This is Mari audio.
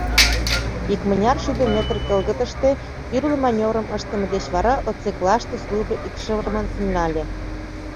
Икмыняр шӱдӧ метр келгытыште тӱрлӧ манёврым ыштыме деч вара отсеклаште службо икшырымын тӱҥале.